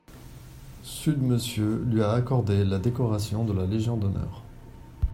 sud Monsieur lui a accordé la décoration de la légion d'honneur.